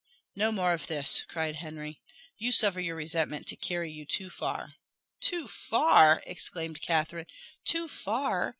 "No more of this!" cried Henry. "You suffer your resentment to carry you too far." "Too far!" exclaimed Catherine. "Too far!